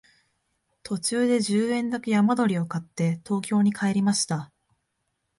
途中で十円だけ山鳥を買って東京に帰りました